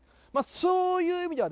そういう意味では、